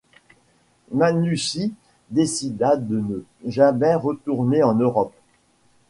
Manucci décida de ne jamais retourner en Europe.